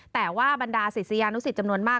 แต่ว่าบรรดาศิษยานุสิตจำนวนมาก